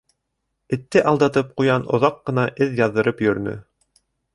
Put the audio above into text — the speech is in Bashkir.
Этте алдатып, ҡуян оҙаҡ ҡына эҙ яҙҙырып йөрөнө.